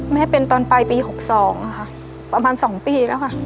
แม่เป็นตอนปลายปี๖๒ค่ะประมาณ๒ปีแล้วค่ะ